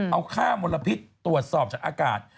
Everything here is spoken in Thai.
เอาค่ามลพิษตรวจสอบจากอากาศ